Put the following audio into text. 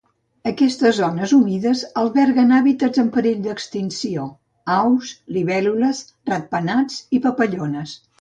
Aquestes zones humides alberguen hàbitats en perill d'extinció: aus, libèl·lules, ratpenats i papallones.